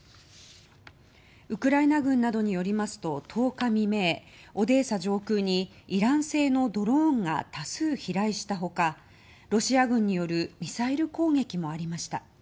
ウクライナ軍などによりますと１０日未明、オデーサ上空にイラン製のドローン機が多数、飛来した他ロシア軍によるミサイル攻撃もありました。